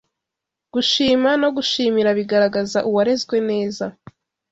Gushima no gushimira bigaragaza uwarezwe neza